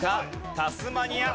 タスマニア。